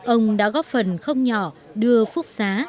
ông đã góp phần không nhỏ đưa phúc xá